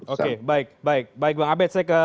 oke baik baik bang abed saya ke